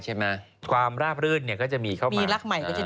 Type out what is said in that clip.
เขาบอกว่าดูนหนักมาหลายปี